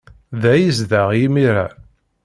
Da ay yezdeɣ imir-a.